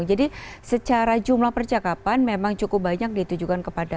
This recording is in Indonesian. jadi secara jumlah percakapan memang cukup banyak ditujukan kepada pak